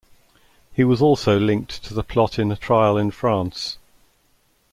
He was also linked to the plot in a trial in France.